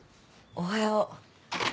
おはよう。